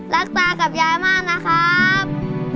ตากับยายมากนะครับ